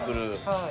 はい。